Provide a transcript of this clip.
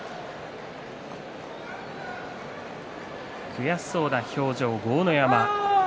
悔しそうな表情の豪ノ山。